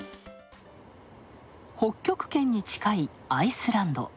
北極圏に近いアイスランド。